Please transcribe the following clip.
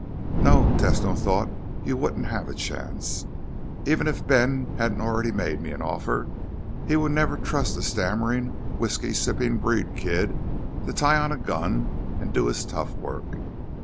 No, Tesno thought, _you wouldn't have a chance. Even if Ben hadn't already made me an offer, he would never trust a stammering, whisky sipping breed kid to tie on a gun and do his tough work.